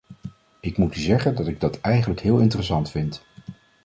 Ik moet u zeggen dat ik dat eigenlijk heel interessant vind.